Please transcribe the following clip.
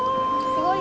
すごい！